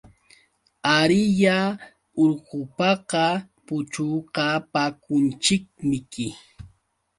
Ariyá urqupaqa puchukapakunchikmiki.